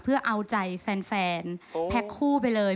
เพื่อเอาใจแฟนแพ็คคู่ไปเลย